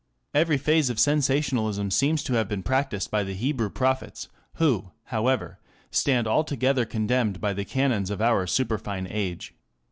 Every phase of sensationalism seems to have been practised by the Hebrew prophets, who, however, stand altogether condemned by the canons of our superfine age.